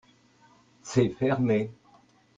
C'est fermé ?